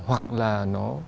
hoặc là nó